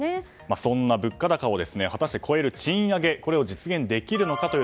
そんな物価高を超える賃上げを果たして、実現できるのか。